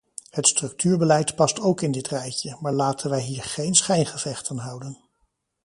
Het structuurbeleid past ook in dit rijtje, maar laten wij hier geen schijngevechten houden.